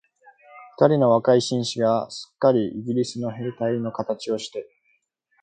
二人の若い紳士が、すっかりイギリスの兵隊のかたちをして、